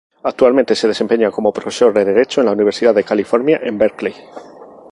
Actualmente se desempeña como profesor de derecho en la Universidad de California en Berkeley.